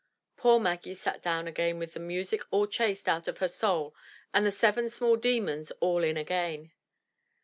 Poor Maggie sat down again with the music all chased out of her soul and the seven small demons all in again.